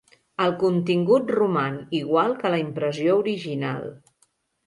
El contingut roman igual que la impressió original.